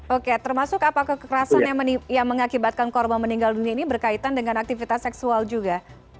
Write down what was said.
oke termasuk apa kekerasan yang mengakibatkan korban meninggal dunia ini berkaitan dengan aktivitas seksual juga